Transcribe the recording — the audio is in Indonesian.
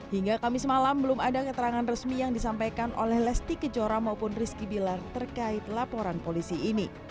hingga kamis malam belum ada keterangan resmi yang disampaikan oleh lesti kejora maupun rizky bilar terkait laporan polisi ini